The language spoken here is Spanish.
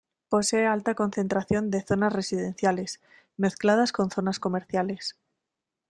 Posee alta concentración de zonas residenciales, mezcladas con zonas comerciales.